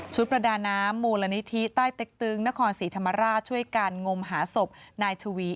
ประดาน้ำมูลนิธิใต้เต็กตึงนครศรีธรรมราชช่วยกันงมหาศพนายชวี